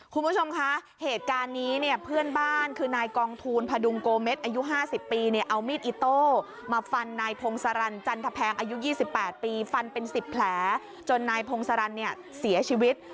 คุณผู้ชมคะเหตุการณ์นี้เนี่ยเพื่อนบ้านคือนายกองทูลพดุงโกเม็ดอายุ๕๐ปีเนี่ยเอามีดอิโต้มาฟันนายพงศรันจันทแพงอายุ๒๘ปีฟันเป็น๑๐แผลจนนายพงศรันเนี่ยเสียชีวิต